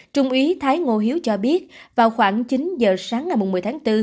trung úy thái ngô hiếu cho biết vào khoảng chín giờ sáng ngày một mươi tháng bốn